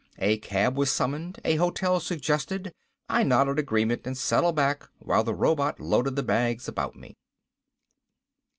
A cab was summoned, a hotel suggested. I nodded agreement and settled back while the robot loaded the bags about me.